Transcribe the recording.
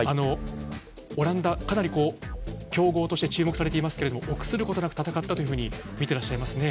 オランダ、かなり強豪として注目されていますが臆することなく戦ったとみてらっしゃいますね。